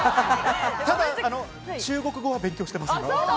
ただ中国語は勉強しています。